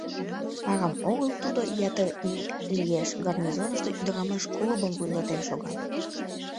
Арам огыл тудо, ятыр ий лиеш, гарнизонышто ӱдырамаш клубым вуйлатен шога.